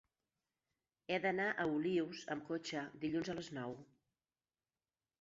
He d'anar a Olius amb cotxe dilluns a les nou.